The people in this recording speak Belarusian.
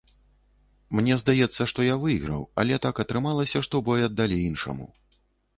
Мне здаецца, што я выйграў, але так атрымалася, што бой аддалі іншаму.